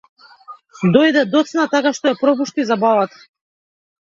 Дојде доцна така што ја пропушти забавата.